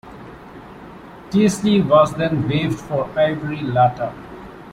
Teasley was then waived for Ivory Latta.